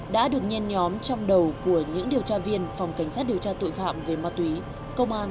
đã được nhen nhóm trong đầu của những điều tra viên phòng cảnh sát điều tra tội phạm về ma tùy công an tp hải phòng